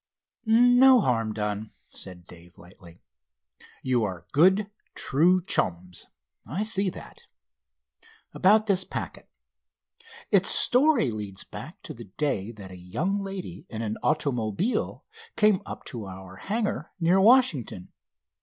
"No harm done," said Dave lightly. "You are good, true chums, I see that. About this packet: Its story leads back to the day that a young lady in an automobile came up to our hangar near Washington.